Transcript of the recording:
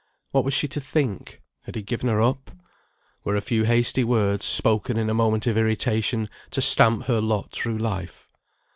What was she to think? Had he given her up? Were a few hasty words, spoken in a moment of irritation, to stamp her lot through life?